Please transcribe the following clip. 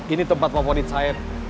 ini tempat perempuan saya